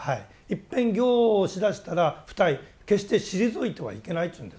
いっぺん行をしだしたら不退決して退いてはいけないというんですね。